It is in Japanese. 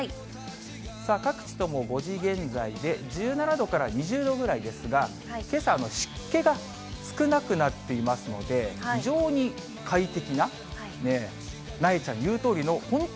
各地とも５時現在で１７度から２０度ぐらいですが、けさ、湿気が少なくなっていますので、非常に快適な、なえちゃん言うとおりの本当